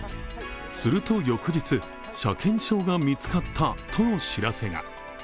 すると翌日、車検証が見つかったとの知らせが。